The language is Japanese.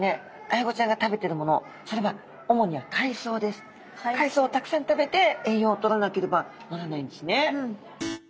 アイゴちゃんが海藻をたくさん食べて栄養をとらなければならないんですね。